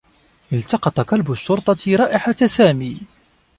التقط كلب الشّرطة رائحة سامي.